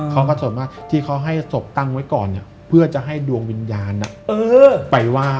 เขาก็สนว่าที่เขาให้ศพตั้งไว้ก่อนเพื่อจะให้ดวงวิญญาณไปไหว้